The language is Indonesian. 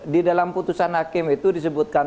di dalam putusan hakim itu disebutkan